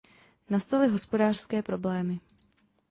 Nastaly hospodářské problémy.